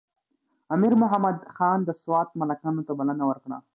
امیر محمد افضل خان د سوات ملکانو ته بلنه ورکړه.